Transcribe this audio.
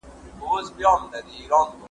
زه اجازه لرم چي خواړه ورکړم!.